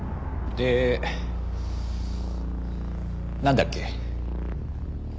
でなんだっけ？